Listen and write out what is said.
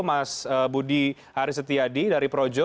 mas budi aris setiadi dari projo